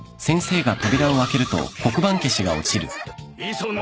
磯野！